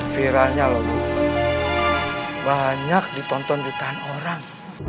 viranya loh banyak ditonton ditahan orang